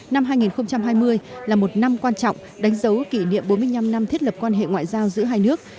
năm hai nghìn hai mươi là một năm quan trọng đánh dấu kỷ niệm bốn mươi năm năm thiết lập quan hệ ngoại giao giữa hai nước